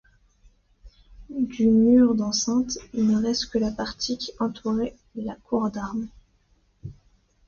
Du mur d'enceinte, il ne reste que la partie qui entourait la cour d'armes.